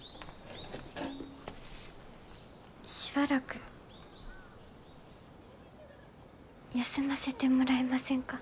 しばらく休ませてもらえませんか？